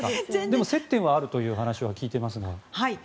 でも接点があるというお話は聞いていますが。